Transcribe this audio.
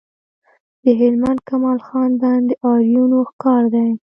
د هلمند کمال خان بند د آرینو کار دی